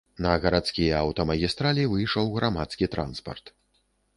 На гарадскія аўтамагістралі выйшаў грамадскі транспарт.